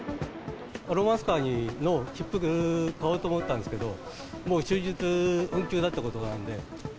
ロマンスカーの切符買おうと思ったんですけど、もう終日運休だってことなんで。